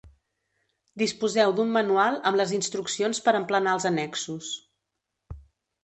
Disposeu d'un manual amb les instruccions per emplenar els annexos.